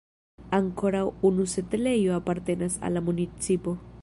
Ankoraŭ unu setlejo apartenas al la municipo.